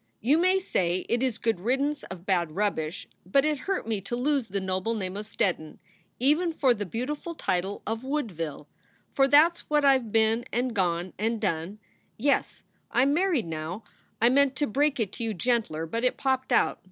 You may say it is good riddance of bad rubbish but it hurt me to lose the noble name of Steddon even for the beautiful title of Woodville for that s what I ve been and gone and done yes, I m married now I meant to break it to you gentler but it popped out.